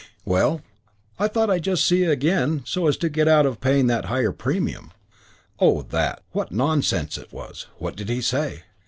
Well, I thought I'd just see again so as to get out of paying that higher premium." "Oh, that. What nonsense it was. What did he say?"